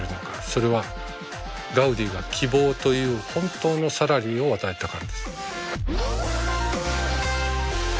それはガウディが希望という本当のサラリーを与えたからです。